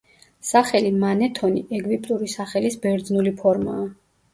სახელი მანეთონი, ეგვიპტური სახელის ბერძნული ფორმაა.